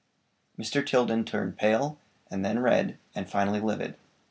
Mr. Tilden turned pale, and then red, and finally livid.